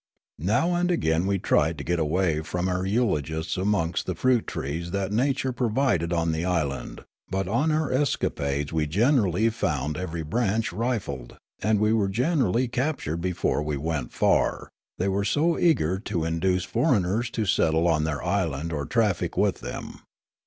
Now and again we tried to get away from our eulogists amongst the fruit trees that Nature pro vided. on the island; but on our escapades we generally found every branch rifled ; and we were generally cap tured before we went far, they were so eager to induce foreigners to settle on their island or traffic with them.